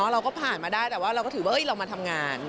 เราก็ผ่านมาได้แต่ว่าเราก็ถือว่าเรามาทำงาน